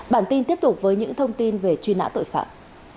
bản tin tiếp tục với những thông tin về truy nã tội phạm